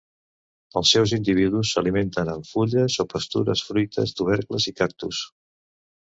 Els seus individus s'alimenten amb fulles o pastures, fruites, tubercles i cactus.